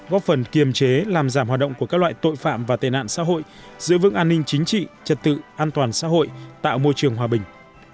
góp phần kiềm chế làm giảm hoạt động của các loại tội phạm và tệ nạn xã hội giữ vững an ninh chính trị trật tự an toàn xã hội tạo môi trường hòa bình